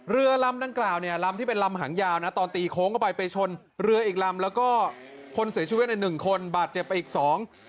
เรือลำดังกล่าวเนี่ยลำที่เป็นลำหางยาวนะตอนตีโค้งเข้าไปไปชนเรืออีกลำแล้วก็คนเสียชีวิตในหนึ่งคนบาดเจ็บไปอีกสอง